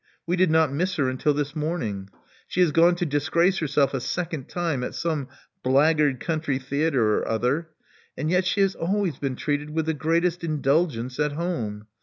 We did not miss her until this morn ing. She has gone to disgrace herself a second time at some blackguard country theatre or other. And yet she has always been treated with the greatest indulgence at home.